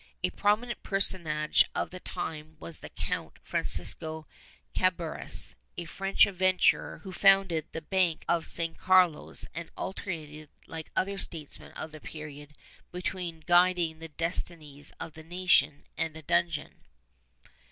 A prominent personage of the time was the Count Francisco Cabarrus, a French adventurer who founded the Bank of San Carlos and alternated, like other statesmen of the period, between guiding the destinies of the nation and a dungeon.